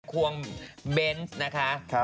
ควงเบนส์นะคะ